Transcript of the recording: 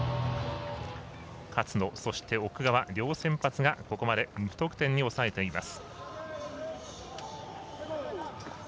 勝野、そして奥川両先発がここまで無得点に抑えています。